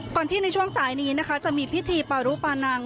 ที่ในช่วงสายนี้นะคะจะมีพิธีปารุปานัง